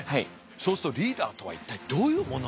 そうするとリーダーとは一体どういうものなのか。